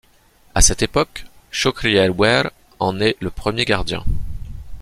À cette époque, Chokri El Ouaer en est le premier gardien.